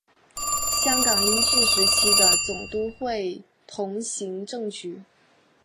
香港英治时期的总督会同行政局。